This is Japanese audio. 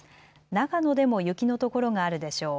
長野でも雪の所があるでしょう。